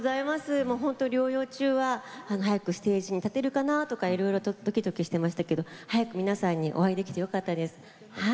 療養中は早くステージに立てるかなとかどきどきしていましたけど早く皆さんにお会いできてよかったです。